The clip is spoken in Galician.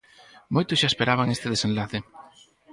Moitos xa esperaban este desenlace.